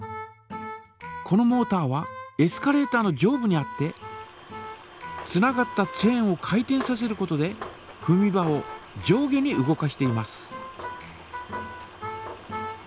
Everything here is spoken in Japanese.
このモータはエスカレータ−の上部にあってつながったチェーンを回転させることでふみ場を上下に動かしています。